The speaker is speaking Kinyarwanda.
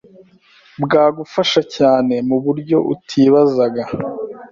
bwagufasha cyane mu buryo utibazaga